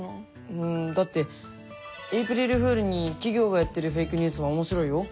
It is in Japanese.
うんだってエイプリルフールに企業がやってるフェイクニュースも面白いよ。